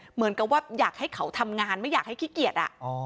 เหมือนกับว่าอยากให้เขาทำงานไม่อยากให้ขี้เกียจ